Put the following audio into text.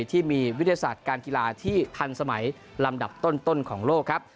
ที่มีวิทยาศาสตร์การกีฬาที่ทันสมัยลำดับต้นของโลกครับ